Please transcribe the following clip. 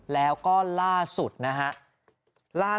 แล้วก็ล่าสุดนะครับ